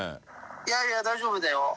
いやいや大丈夫だよ。